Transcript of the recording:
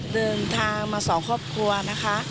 เดินทางมาสองครอบครัวนะคะ